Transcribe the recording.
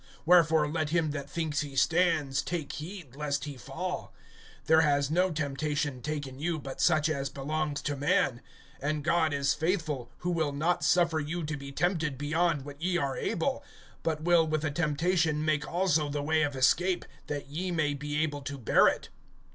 (12)Wherefore let him that thinks he stands, take heed lest he fall. (13)There has no temptation taken you but such as belongs to man; and God is faithful, who will not suffer you to be tempted beyond what ye are able, but will with the temptation make also the way of escape, that ye may be able to bear it.